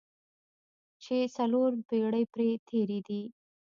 چې څلور پېړۍ پرې تېرې دي.